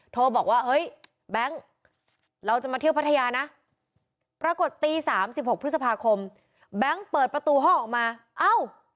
โทรบอกว่าเฮ้ยแบงค์เราจะมาเที่ยวพัทยานะปรากฏตี๓๖พฤษภาคมแบงค์เปิดประตูห้องออกมาเอ้า